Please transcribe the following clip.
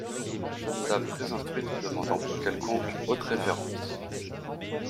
Jeune dame très instruite demande emploi quelconque, hautes références.